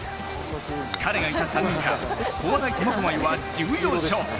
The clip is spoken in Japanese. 彼がいた３年間駒大苫小牧は１４勝。